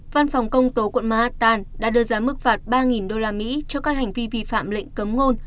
văn phòng công tố quận mahatan đã đưa ra mức phạt ba usd cho các hành vi vi phạm lệnh cấm ngôn